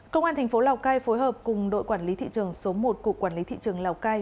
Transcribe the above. công an thành phố lào cai phối hợp cùng đội quản lý thị trường số một của quản lý thị trường lào cai